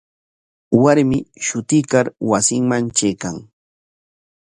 Warmi shutuykar wasinman traykan.